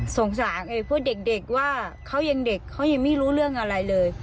สารพวกเด็กว่าเขายังเด็กเขายังไม่รู้เรื่องอะไรเลย